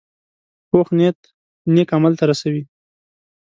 پوخ نیت نیک عمل ته رسوي